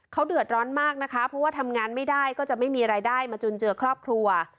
เขาเดือดร้อนมากนะคะเพราะว่าทำงานไม่ได้ก็จะไม่มีรายได้มาจุนเจือครอบครัว